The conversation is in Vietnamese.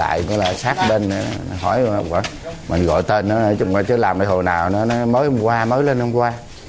mình bấm tên khác của mình nữa rồi lại nó là sát bên hỏi mình gọi tên nó nói chung là chứ làm từ hồi nào nó mới hôm qua mới lên hôm qua